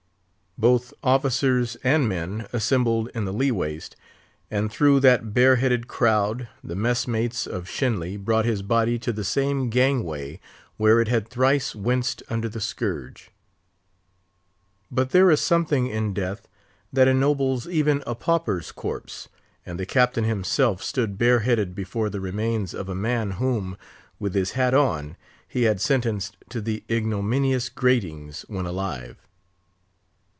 Both officers and men assembled in the lee waist, and through that bareheaded crowd the mess mates of Shenly brought his body to the same gangway where it had thrice winced under the scourge. But there is something in death that ennobles even a pauper's corpse; and the Captain himself stood bareheaded before the remains of a man whom, with his hat on, he had sentenced to the ignominious gratings when alive.